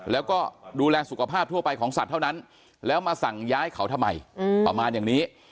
แล้วก็ดูแลสุขภาพทั่วไปของสัตว์เท่านั้นแล้วมาสั่งย้ายเขาทำไมประมาณอย่างนี้